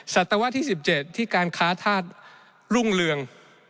ศัตวะที่๑๗ที่การค้าธาตุรุ่งเรือง